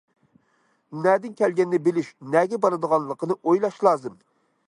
« نەدىن كەلگەننى بىلىش، نەگە بارىدىغانلىقىنى ئويلاش لازىم».